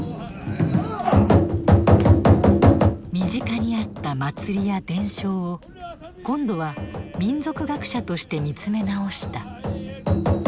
身近にあった祭りや伝承を今度は民俗学者として見つめ直した。